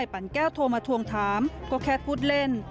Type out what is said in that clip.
ปั่นแก้วโทรมาทวงถามก็แค่พูดเล่น